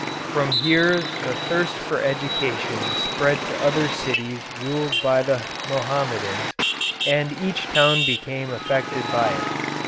From here the thirst for education spread to the other cities ruled by the Mohammedans, and each town became affected by it.